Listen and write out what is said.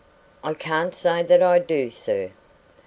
"I can't say that I do, sir."